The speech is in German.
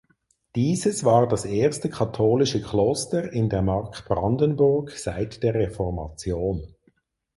Dieses war das erste katholische Kloster in der Mark Brandenburg seit der Reformation.